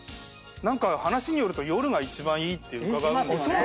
何か話によると夜が一番いいって伺うんですけど。